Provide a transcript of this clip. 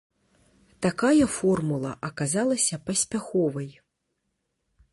Такая формула аказалася паспяховай.